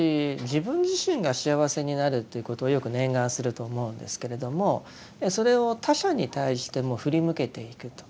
自分自身が幸せになるということをよく念願すると思うんですけれどもそれを他者に対しても振り向けていくと。